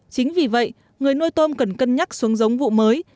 chính vì vậy người nuôi tôm cần cân nhắc xuống giống vụ mới